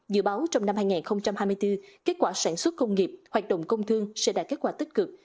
dự báo trong năm hai nghìn hai mươi bốn kết quả sản xuất công nghiệp hoạt động công thương sẽ đạt kết quả tích cực